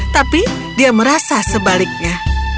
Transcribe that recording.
tapi dia merasa sebaliknya